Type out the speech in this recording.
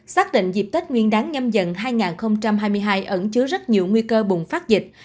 xác định dịp tết nguyên đáng nhâm dần hai nghìn hai mươi hai ẩn chứa rất nhiều nguy cơ bùng phát dịch